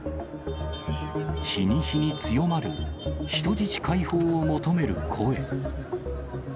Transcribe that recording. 日に日に強まる、人質解放を求める声。